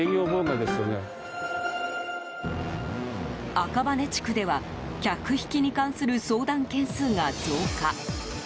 赤羽地区では客引きに関する相談件数が増加。